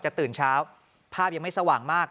ตื่นเช้าภาพยังไม่สว่างมาก